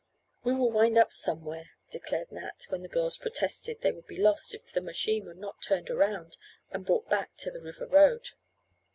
"We will wind up somewhere," declared Nat, when the girls protested they would be lost if the machine were not turned around, and brought back to the river road.